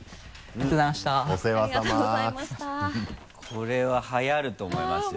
これははやると思いますよ。